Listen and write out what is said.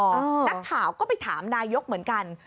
นักข่าวก็ไปถามนายกเหมือนกัน